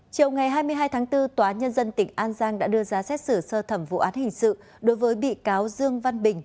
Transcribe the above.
chiều ngày hai mươi hai tháng bốn tòa nhân dân tỉnh an giang đã đưa ra xét xử sơ thẩm vụ án hình sự đối với bị cáo dương văn bình